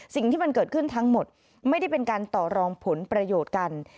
สิ่งที่มันเกิดขึ้นทั้งหมดไม่ได้เป็นการต่อรองผลประโยชน์กัน